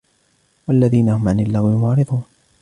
وَالَّذِينَ هُمْ عَنِ اللَّغْوِ مُعْرِضُونَ